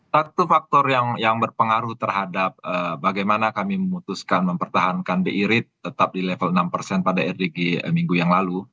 satu faktor yang berpengaruh terhadap bagaimana kami memutuskan mempertahankan bi rate tetap di level enam persen pada rdg minggu yang lalu